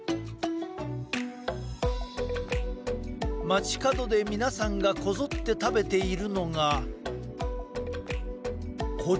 街角で皆さんがこぞって食べているのが、こちら。